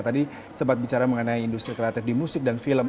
tadi sempat bicara mengenai industri kreatif di musik dan film